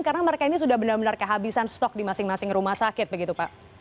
karena mereka ini sudah benar benar kehabisan stok di masing masing rumah sakit begitu pak